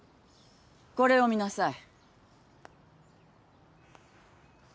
これを見なさい。